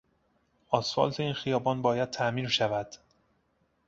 آسفالت این خیابان باید تعمیر شود.